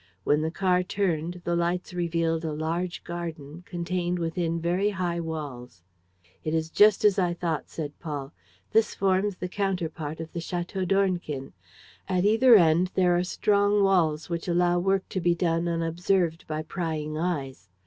When the car turned, the lights revealed a large garden, contained within very high walls. "It is just as I thought," said Paul. "This forms the counterpart of the Château d'Ornequin. At either end there are strong walls which allow work to be done unobserved by prying eyes.